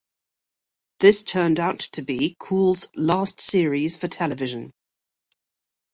This turned out to be Cool's last series for television.